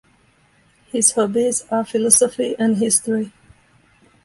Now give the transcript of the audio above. His hobbies are philosophy and history.